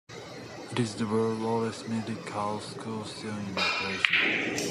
It is the world's oldest medical school still in operation.